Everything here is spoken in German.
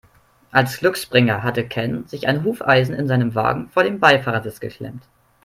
Als Glücksbringer hatte Ken sich ein Hufeisen in seinem Wagen vor den Beifahrersitz geklebt.